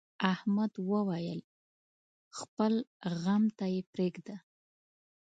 احمد وويل: خپل غم ته یې پرېږده.